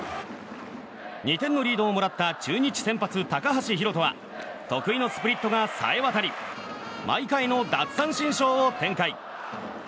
２点のリードをもらった中日先発、高橋宏斗は得意のスプリットがさえわたり毎回の奪三振ショーを展開。